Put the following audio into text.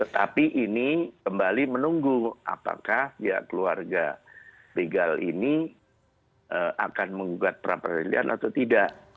tetapi ini kembali menunggu apakah keluarga begal ini akan menggugat peradilan atau tidak